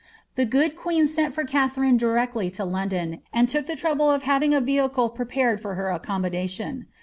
The good queen sent for Katharine directly to London, and took the trouble of having a vehicle prepared for her accommodation.